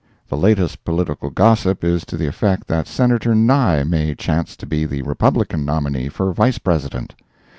The latest political gossip is to the effect that Senator Nye may chance to be the Republican nominee for Vice President.